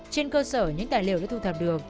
trên cơ sở những tài liệu đã thu thập được